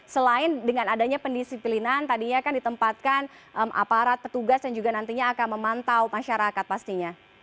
selain dengan adanya pendisiplinan tadinya kan ditempatkan aparat petugas yang juga nantinya akan memantau masyarakat pastinya